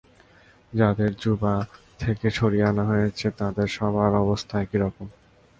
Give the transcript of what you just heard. যাদের জুবা থেকে সরিয়ে আনা হয়েছে, তাদের সবার অবস্থা একই রকম।